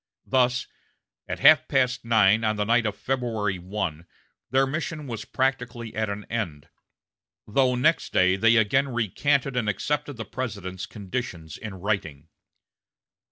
Thus, at half past nine on the night of February 1, their mission was practically at an end, though next day they again recanted and accepted the President's conditions in writing.